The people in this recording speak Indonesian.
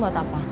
luren buat apa